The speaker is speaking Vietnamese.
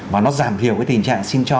và nó giảm thiểu cái tình trạng xin cho